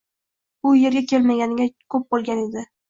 Bu yerga kelmaganiga koʻp boʻlgan edi